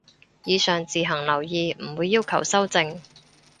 以上自行留意，唔會要求修正